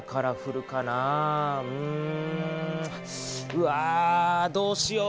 うわどうしよう？